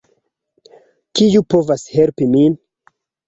Kiu povas helpi min?